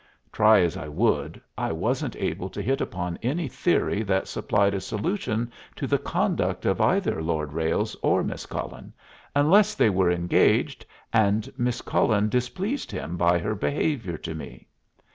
Try as I would, I wasn't able to hit upon any theory that supplied a solution to the conduct of either Lord Ralles or Miss Cullen, unless they were engaged and Miss Cullen displeased him by her behavior to me.